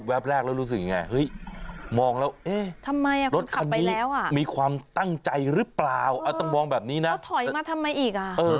แวบแรกแล้วรู้สึกอย่างไรเฮ้ยมองแล้วเฮ้ย